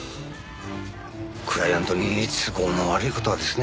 クライアントに都合の悪い事はですね